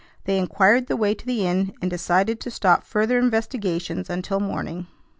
They inquired the way to the inn, and decided to stop further investigations until morning.